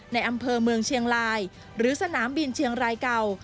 ในอำเภอเมืองเชียงรายหรือสนามบินเชียงรายเก่า